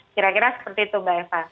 kira kira seperti itu mbak eva